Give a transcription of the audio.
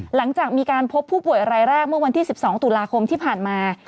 หลังจากมีการพบผู้ป่วยรายแรกเมื่อวันที่๑๒ตุลาคมที่ผ่านมา